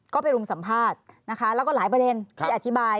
ก็ไปรุมสัมภาษณ์นะคะแล้วก็หลายประเด็นที่อธิบาย